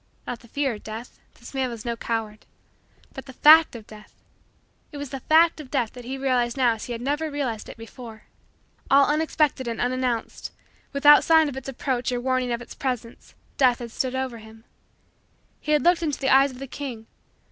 Not the fear of Death; this man was no coward. But the fact of Death it was the fact of Death that he realized now as he had never realized it before. All unexpected and unannounced without sign of its approach or warning of its presence Death had stood over him. He had looked into the eyes of the King.